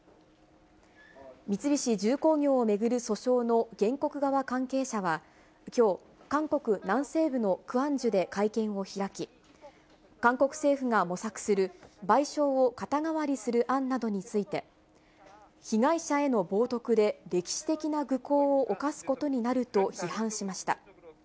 三菱重工業を巡る訴訟の原告側関係者は、きょう、韓国南西部のクァンジュで会見を開き、韓国政府が模索する賠償を肩代わりする案などについて、被害者への冒とくで歴史的な愚行を冒すことになると批判しました。